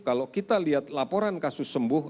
kalau kita lihat laporan kasus sembuh